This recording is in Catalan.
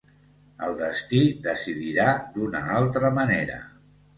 El destí decidirà d'una altra manera.